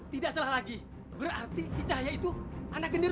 tidak salah lagi berarti si cahaya itu anak genderwo